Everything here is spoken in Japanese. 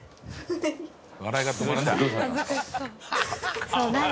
笑いが止まらない。